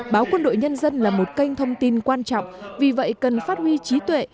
báo quân đội nhân dân là một kênh thông tin quan trọng vì vậy cần phát huy trí tuệ